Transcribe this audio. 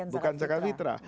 bukan zakat fitrah